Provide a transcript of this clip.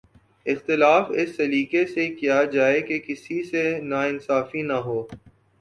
اختلاف اس سلیقے سے کیا جائے کہ کسی سے ناانصافی نہ ہو۔